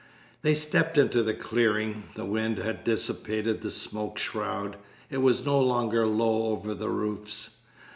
They stepped into the clearing. The wind had dissipated the smoke shroud. It was no longer low over the roofs.